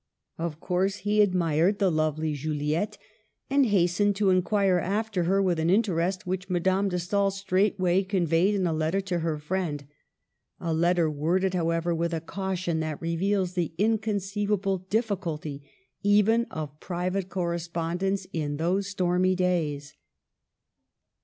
Of course he admired the lovely Juliette, and hastened to inquire after her with an interest which Madame de Stael straightway ccmveyed in a letter to her friend — a letter worded, however, with a caution that reveals the inconceivable dif ficulty even of private correspondence in those stormy days.